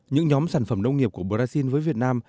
những nhóm sản phẩm nông nghiệp của brazil với việt nam